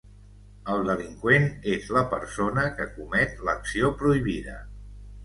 El delinqüent és la persona que comet l'acció prohibida.